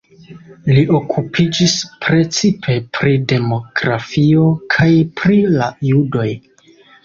Li okupiĝis precipe pri demografio kaj pri la judoj.